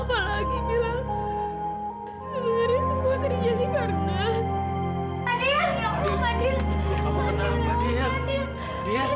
mama tolong dengerin penjelasan mila ma